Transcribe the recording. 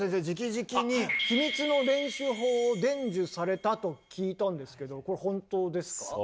じきじきに秘密の練習法を伝授されたと聞いたんですけどこれ本当ですか？